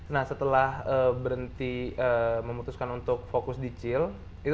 nah setelah berhenti memutuskan untuk fokus di chill itu tuh karakter chill itu dirombak di rebranding kayak gitu